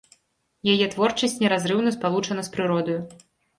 Яе творчасць неразрыўна спалучана з прыродаю.